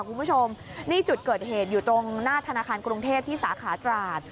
คุณผู้ชมนี่จุดเกิดเหตุอยู่ตรงหน้าธนาคารกรุงเทพที่สาขาตราด